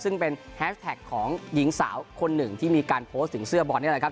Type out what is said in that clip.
ซึ่งเป็นแฮชแท็กของหญิงสาวคนหนึ่งที่มีการโพสต์ถึงเสื้อบอลนี่แหละครับ